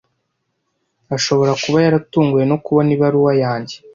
Ashobora kuba yaratunguwe no kubona ibaruwa yanjye.